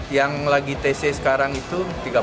yang lagi tc sekarang itu tiga puluh